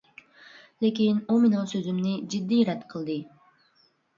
لېكىن ئۇ مېنىڭ سۆزۈمنى جىددىي رەت قىلدى.